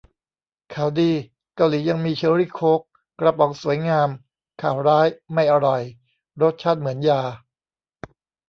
ข่าวดี เกาหลียังมีเชอร์รี่โค้ก กระป๋องสวยงาม ข่าวร้าย ไม่อร่อย รสชาติเหมือนยา